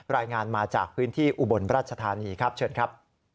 รายงานมาจากพื้นที่อุบลราชธานีครับเชิญครับ